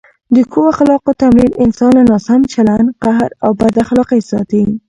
د ښو اخلاقو تمرین انسان له ناسم چلند، قهر او بد اخلاقۍ ساتي.